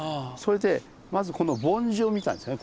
それでまずこの梵字を見たんですよね。